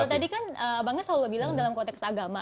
kalau tadi kan abangnya selalu bilang dalam konteks agama